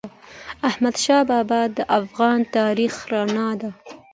احمدشاه بابا د افغان تاریخ رڼا ده.